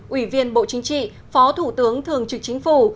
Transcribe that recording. ủy viên bộ chính trị phó thủ tướng thường trực chính phủ